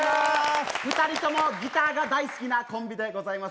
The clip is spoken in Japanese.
２人ともギターが大好きなコンビでございます。